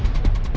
apa nih tadi